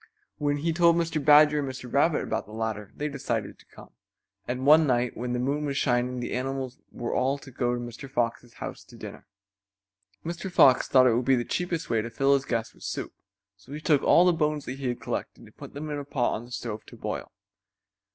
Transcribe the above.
When he told Mr. Badger and Mr. Rabbit about the ladder they decided to come, and one night when the moon was shining the animals were all to go to Mr. Fox's house to dinner. Mr. Fox thought it would be the cheapest way to fill his guests with soup, so he took all the bones that he had collected and put them in a pot on the stove to boil.